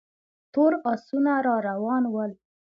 تور آسونه را روان ول.